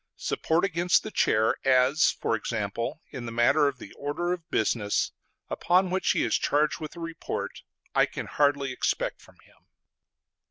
Support against the Chair as, for example, in the matter of the order of business, upon which he is charged with a report I can hardly expect from him.